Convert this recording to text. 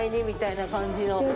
みたいな感じの。